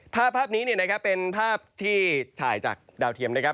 ภาพนี้นะครับเป็นภาพที่ถ่ายจากดาวเทียมนะครับ